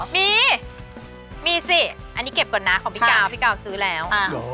มีมีสิอันนี้เก็บก่อนนะของพี่กาวพี่กาวซื้อแล้ว